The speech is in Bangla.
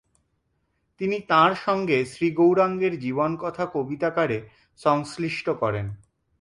তিনি তাঁর সঙ্গে শ্ৰীগৌরাঙ্গের জীবনকথা কবিতাকারে সংশ্লিষ্ট করেন।